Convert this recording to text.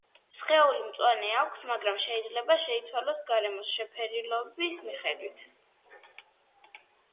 სხეული მწვანე აქვს, მაგრამ შეიძლება შეიცვალოს გარემოს შეფერილობის მიხედვით.